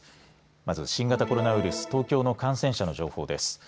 まず新型コロナウイルス、東京の感染者の情報です。